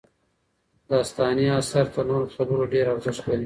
داستاني اثر تر نورو خبرو ډېر ارزښت لري.